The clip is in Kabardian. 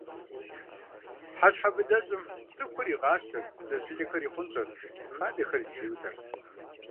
Хьэщхьэвылъэжьым цӏыхухэр игъащтэрт, зыдэс жылэхэр ихъунщӏэрт, хадэхэр зэхиутэрт.